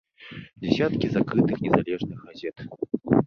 Дзесяткі закрытых незалежных газет.